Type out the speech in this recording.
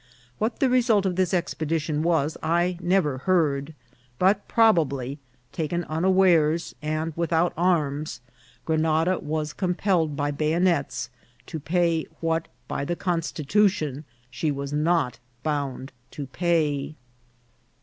What the result of this expedition was I never heard ; but probably, taken unawares and without arms, Grenada was compelled by bayonets to pay what, by the constitution, she was not bound to pay.